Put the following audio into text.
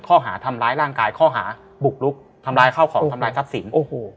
ข้อหาทำร้ายร่างกายข้อหาบุกลุกทำร้ายข้าวของทำร้ายทรัพย์สิน